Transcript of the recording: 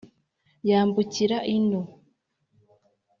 yambukira ino.